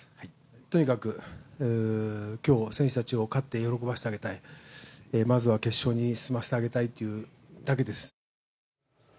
とにかく今日選手たち勝って喜ばせてあげたい、まずは決勝に進ませてあげたいというだけです。